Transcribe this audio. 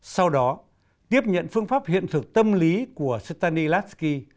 sau đó tiếp nhận phương pháp hiện thực tâm lý của stanislavski